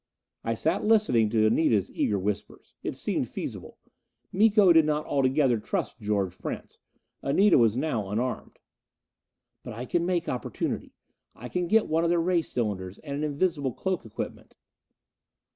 I sat listening to Anita's eager whispers. It seemed feasible. Miko did not altogether trust George Prince; Anita was now unarmed. "But I can make opportunity! I can get one of their ray cylinders, and an invisible cloak equipment."